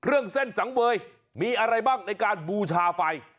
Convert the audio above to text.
เครื่องเส้นสังเวยมีอะไรบ้างในการบูชาไฟ